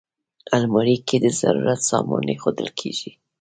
الماري کې د ضرورت سامان ایښودل کېږي